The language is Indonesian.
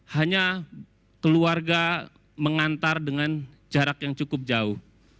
hanya keluarga mengantar dengan jarak yang cukup jauh